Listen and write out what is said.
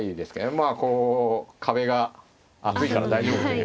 まあこう壁が厚いから大丈夫という。